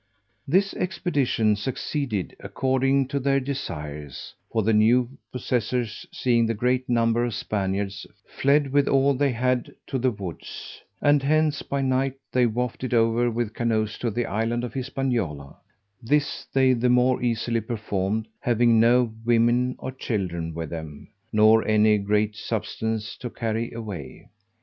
This expedition succeeded according to their desires; for the new possessors, seeing the great number of Spaniards, fled with all they had to the woods, and hence, by night, they wafted over with canoes to the island of Hispaniola: this they the more easily performed, having no women or children with them, nor any great substance to carry away.